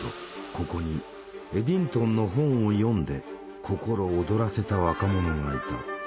ここにエディントンの本を読んで心躍らせた若者がいた。